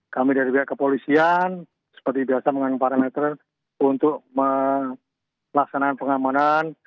kami dari pihak kepolisian seperti biasa mengandung parameter untuk melaksanakan pengamanan